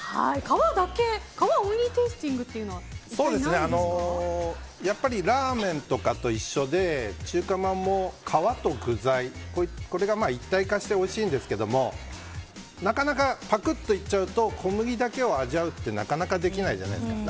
皮オンリーテイスティングというのはやっぱりラーメンとかと一緒で中華まんも皮と具材これが一体化しておいしいんですけれどもなかなか、パクッといっちゃうと小麦だけを味わうってできないじゃないですか。